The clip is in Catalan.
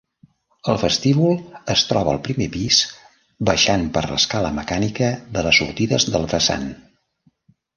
El vestíbul es troba al primer pis baixant per l'escala mecànica de les sortides del vessant.